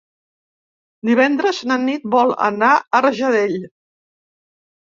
Divendres na Nit vol anar a Rajadell.